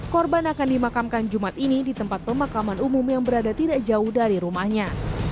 korban akan dimakamkan jumat ini di tempat pemakaman umum yang berada tidak jauh dari rumahnya